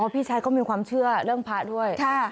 พี่ชายก็มีความเชื่อเรื่องพระด้วย